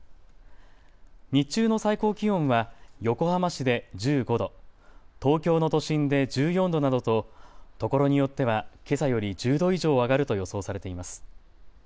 日中の最高気温は横浜市で１５度、東京の都心で１４度などとところによってはけさより１０度以上上がると予想されています。